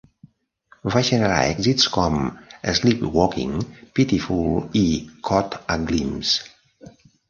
Va generar èxits com "Sleepwalking", "Pitiful" i "Caught a Glimpse".